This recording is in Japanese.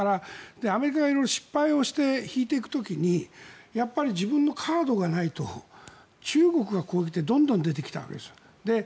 アメリカが色々失敗して引いていく時に自分のカードがないと中国がどんどん出てきたわけです。